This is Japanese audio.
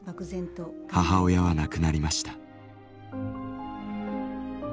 母親は亡くなりました。